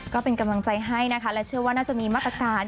ก็เป็นกำลังใจให้นะคะและเชื่อว่าน่าจะมีมาตรการ